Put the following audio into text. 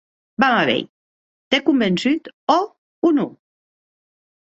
Vam a veir, t’é convençut, òc o non?